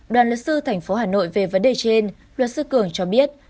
đoàn luật sư tp hà nội về vấn đề trên luật sư cường cho biết